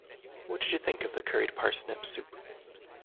What did you think of the curried parsnip soup?